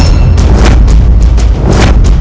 dansanmu akan menyerangku